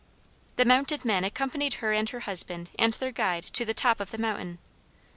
The mounted men accompanied her and her husband and their guide to the top of the mountain.